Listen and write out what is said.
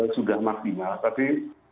sudah maksimal tapi